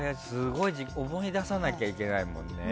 思い出さないといけないもんね。